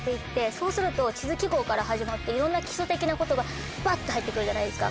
そうすると地図記号から始まっていろんな基礎的なことがばっと入ってくるじゃないですか。